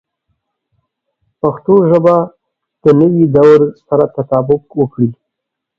پښتو ژبه د نوي دور سره تطابق وکړي.